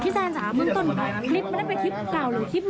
พี่แซนนึกต้นนิดไม่ได้ไปคลิปเก่าหรือคลิปใหม่